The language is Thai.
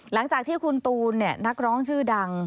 หลังจากที่คุณตูนนักร้องชื่อดัง